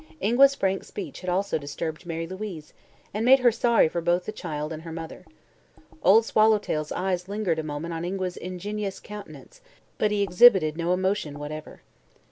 Ingua's frank speech had also disturbed Mary Louise, and made her sorry for both the child and her mother. Old Swallowtail's eyes lingered a moment on Ingua's ingenuous countenance but he exhibited no emotion whatever.